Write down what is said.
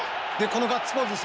このガッツポーズで。